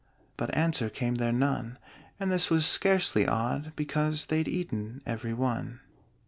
But answer came there none And this was scarcely odd, because They'd eaten every one.